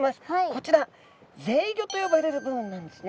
こちらぜいごと呼ばれる部分なんですね